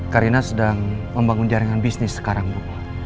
karina sedang membangun jaringan bisnis sekarang bu